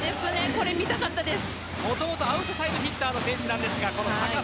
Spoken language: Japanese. これが見たかったです。